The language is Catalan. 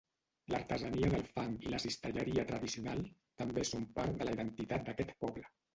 L'artesania del fang i la cistelleria tradicional també són part de la identitat d'aquest poble.